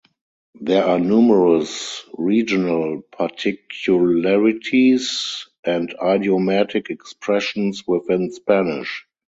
There are numerous regional particularities and idiomatic expressions within Spanish.